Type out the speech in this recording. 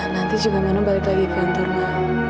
nanti juga mano balik lagi ke kantor mah